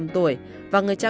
hai mươi năm tuổi và người cha